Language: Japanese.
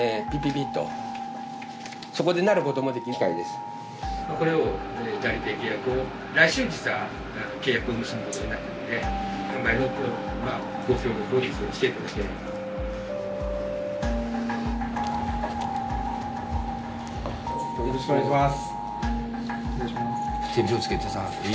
よろしくお願いします。